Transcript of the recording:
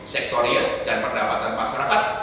sektorial dan pendapatan masyarakat